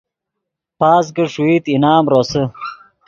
پاس کہ ݰوئیت انعام روسے